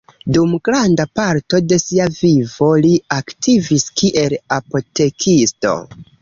Dum granda parto de sia vivo, li aktivis kiel apotekisto.